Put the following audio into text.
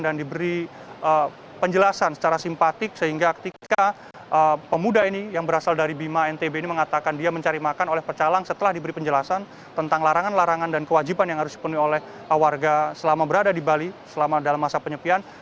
diberi penjelasan secara simpatik sehingga ketika pemuda ini yang berasal dari bima ntb ini mengatakan dia mencari makan oleh pecalang setelah diberi penjelasan tentang larangan larangan dan kewajiban yang harus dipenuhi oleh warga selama berada di bali selama dalam masa penyepian